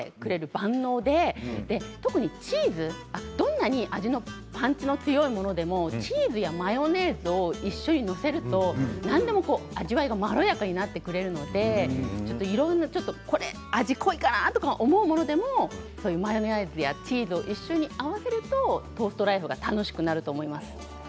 万能で特にチーズどんなに味のパンチが強いものでもチーズやマヨネーズを一緒に載せると何でも味わいがまろやかになってくれるのでこれちょっと味が濃いかなと思うものでもマヨネーズやチーズと一緒に合わせるとトーストライフが楽しくなると思います。